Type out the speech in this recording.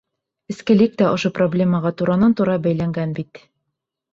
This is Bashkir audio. Эскелек тә ошо проблемаға туранан-тура бәйләнгән бит.